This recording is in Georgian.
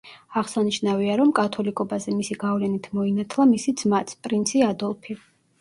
აღსანიშნავია, რომ კათოლიკობაზე მისი გავლენით მოინათლა მისი ძმაც, პრინცი ადოლფი.